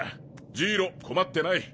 ジイロ困ってない。